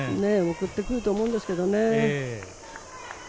送ってくると思うんですけどね。